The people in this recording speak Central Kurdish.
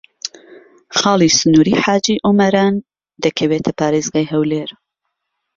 خاڵی سنووریی حاجی ئۆمەران دەکەوێتە پارێزگای هەولێر.